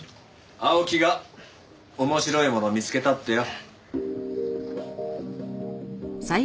青木が面白いもの見つけたってよ。